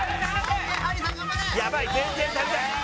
やばい全然足りない。